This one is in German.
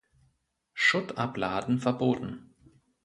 Schutt abladen verboten.